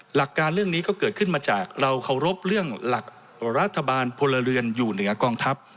หลักการเรื่องนี้ก็เกิดขึ้นมาจากเราเคารพเรื่องหลักรัฐบาลพลเรือนอยู่เหนือกองทัพ